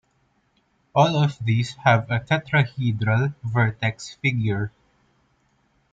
All of these have a tetrahedral vertex figure.